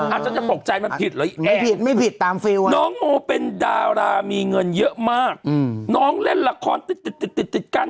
อาจจะตกใจมันผิดหรอไอ้แอบมีเงินเยอะมากน้องเล่นละครติดติดกัน